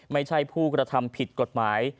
ไม่ใช่ผู้กระทำผิดกฎหมาย